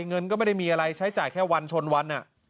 เงินก็ไม่ได้มีอะไรใช้จ่ายแค่วันชนวัน